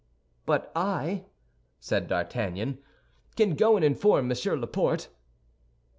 "But I," said D'Artagnan, "can go and inform Monsieur Laporte."